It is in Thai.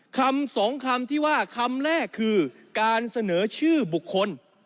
คำสองคำที่ว่าคำแรกคือการเสนอชื่อบุคคล